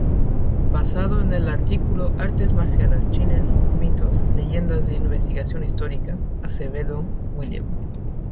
Basado en el artículo "Artes Marciales Chinas, Mitos, Leyendas e Investigación Histórica" Acevedo, William.